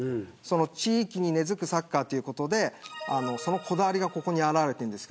地域に根付くサッカーということでそのこだわりが表れています。